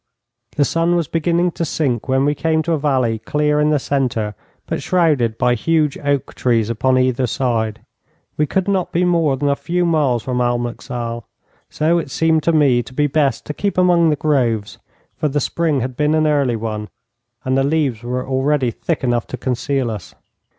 The sun was beginning to sink when we came to a valley clear in the centre, but shrouded by huge oak trees upon either side. We could not be more than a few miles from Almeixal, so it seemed to me to be best to keep among the groves, for the spring had been an early one and the leaves were already thick enough to conceal us.